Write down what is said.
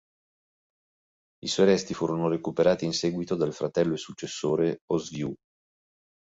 I suoi resti furono recuperati in seguito dal fratello e successore Oswiu.